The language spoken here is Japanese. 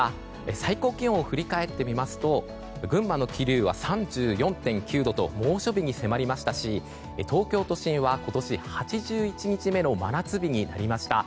最高気温を振り返ってみますと群馬の桐生は３４．９度と猛暑日に迫りましたし東京都心は今年８１日目の真夏日になりました。